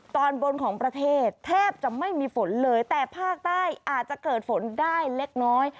ตอนบนของประเทศแทบจะไม่มีฝนเลยแต่ภาคใต้อาจจะเกิดฝนได้เล็กน้อย